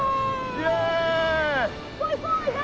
イエイ！